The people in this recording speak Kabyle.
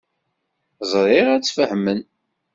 Ẓriɣ ad tt-fehmen.